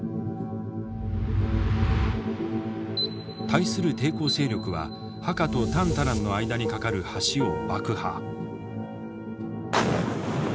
対する抵抗勢力はハカとタンタランの間に架かる橋を爆破。